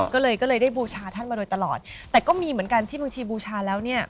ก็เลยก็เลยได้บูชาท่านมาโดยตลอดแต่ก็มีเหมือนกันที่บางทีบูชาแล้วเนี่ย